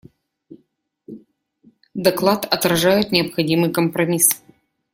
Доклад отражает необходимый компромисс.